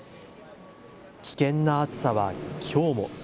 危険な暑さはきょうも。